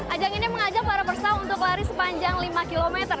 ajang ini mengajak para peserta untuk lari sepanjang lima km